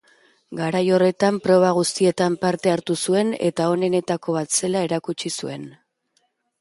Garai horretan proba guztietan parte hartu zuen eta onenetako bat zela erakutsi zuen.